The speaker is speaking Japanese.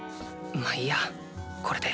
まあいいやこれで。